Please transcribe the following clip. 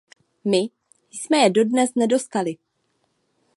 My jsme je dodnes nedostali.